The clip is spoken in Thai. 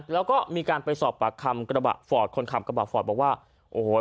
แล้วก็มีการไปสอบปากคำกระบะฟอร์ดคนขับกระบะฟอร์ดบอกว่าโอ้โห